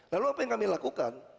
lalu apa yang kami lakukan